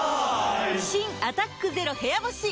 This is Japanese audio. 新「アタックＺＥＲＯ部屋干し」解禁‼